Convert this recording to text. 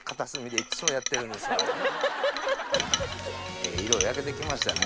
ええ色焼けてきましたね。